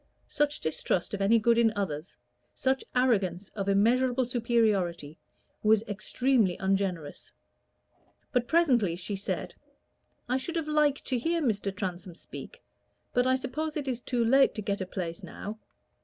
Such distrust of any good in others, such arrogance of immeasurable superiority, was extremely ungenerous. But presently she said "I should have liked to hear Mr. Transome speak, but I suppose it is too late to get a place now."